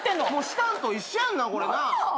したんと一緒やんなこれな。